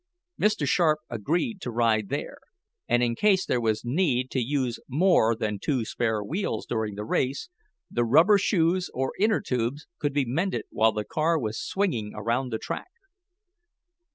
Mr. Sharp agreed to ride there, and in case there was need to use more than two spare wheels during the race, the rubber shoes or inner tubes could be mended while the car was swinging around the track.